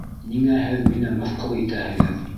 Ниңә һеҙ мине мыҫҡыл итәһегеҙ?